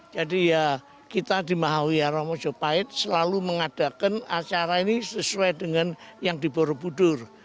jadi ya kita di mahawihara mojopahit selalu mengadakan acara ini sesuai dengan yang di borobudur